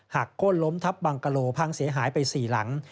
หักโค้นล้มทัพบังกะโลพังเสียหายไปสี่หลัง